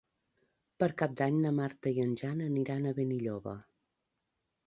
Per Cap d'Any na Marta i en Jan aniran a Benilloba.